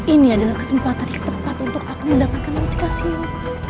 ini adalah kesempatan yang tepat untuk aku mendapatkan logistik kasimu